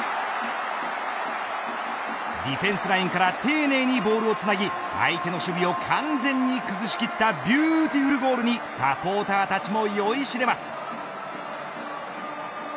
ディフェンスラインから丁寧にボールをつなぎ相手の守備を完全に崩し切ったビューティフルゴールにサポーターたちも酔いしれます。